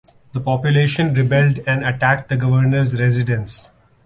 The population rebelled and attacked the governor's residence.